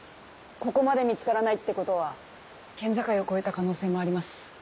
ここまで見つからないってことは県境を越えた可能性もあります。